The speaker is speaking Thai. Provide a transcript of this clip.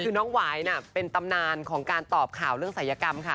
คือน้องหวายน่ะเป็นตำนานของการตอบข่าวเรื่องศัยกรรมค่ะ